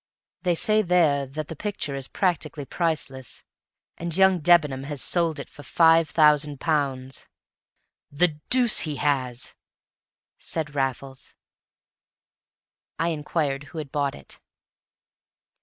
They say there that the picture is practically priceless. And young Debenham has sold it for five thousand pounds!" "The deuce he has," said Raffles. I inquired who had bought it.